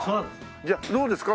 じゃあどうですか？